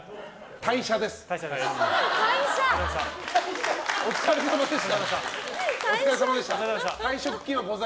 退社です。